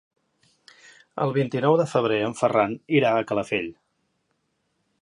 El vint-i-nou de febrer en Ferran irà a Calafell.